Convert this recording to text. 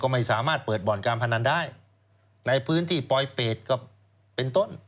ไม่สามารถเปิดบ่อนการพนันได้ในพื้นที่ปลอยเปรตก็เป็นต้น